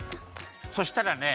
そしたらね